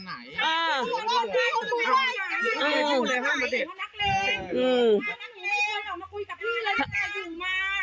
สวัสดีคุณผู้ชายสวัสดีคุณผู้ชาย